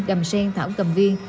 đàm sen thảo cầm viên